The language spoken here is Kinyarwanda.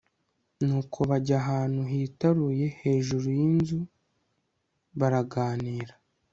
nuko bajya ahantu hitaruye hejuru y'inzu, baraganira